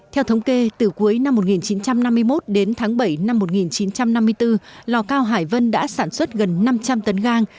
theo thống kê từ cuối năm một nghìn chín trăm năm mươi một đến tháng bảy năm một nghìn chín trăm năm mươi bốn lò cao hải vân đã sản xuất gần năm trăm linh tấn gang